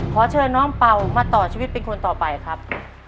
ขอเชิญน้องเป่ามาต่อชีวิตเป็นคนต่อไปครับ